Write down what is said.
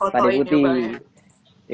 pak dewi putih